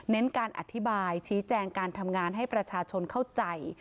การอธิบายชี้แจงการทำงานให้ประชาชนเข้าใจ